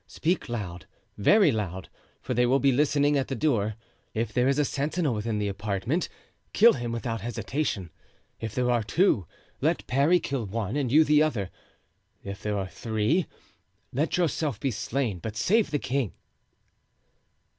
Speak loud, very loud, for they will be listening at the door. If there is a sentinel within the apartment, kill him without hesitation. If there are two, let Parry kill one and you the other. If there are three, let yourself be slain, but save the king."